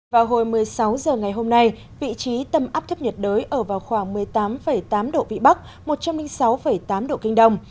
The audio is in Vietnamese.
vào hồi một mươi sáu h ngày hôm nay vị trí tâm áp thấp nhiệt đới ở vào khoảng một mươi tám tám độ vĩ bắc một trăm linh sáu tám độ kinh đông